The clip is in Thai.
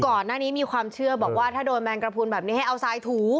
ก่อนหน้านี้มีความเชื่อบอกว่าถ้าโดนแมงกระพุนแบบนี้ให้เอาทรายถู